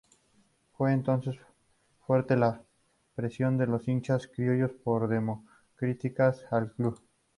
Fue entonces fuerte la presión de los hinchas criollos por ""democratizar"" al club.